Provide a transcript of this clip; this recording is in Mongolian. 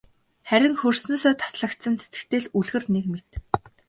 Харин хөрснөөсөө таслагдсан цэцэгтэй л үлгэр нэг мэт.